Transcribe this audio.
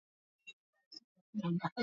katika bonde la tropiki la Mto Amazon